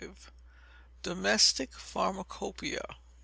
Domestic Pharmacopoeia.